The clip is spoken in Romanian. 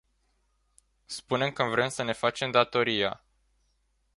Spunem că vrem să ne facem datoria.